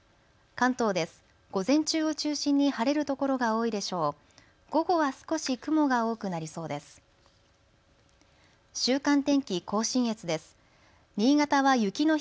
関東です。